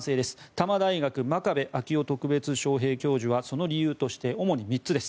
多摩大学真壁昭夫特別招へい教授はその理由として主に３つです。